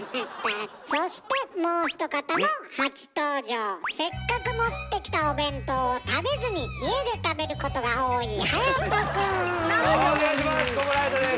そしてもう一方もせっかく持ってきたお弁当を食べずに家で食べることが多いお願いします！